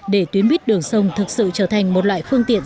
để tuyến buýt đường sông thực sự trở thành một loại phương tiện